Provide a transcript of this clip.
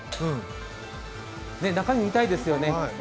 中身を見たいですよね。